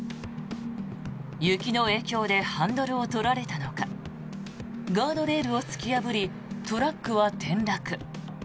雪の影響でハンドルを取られたのかガードレールを突き破りトラックは転落。